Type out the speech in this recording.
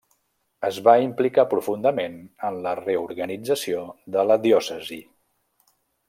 Es va implicar profundament en la reorganització de la diòcesi.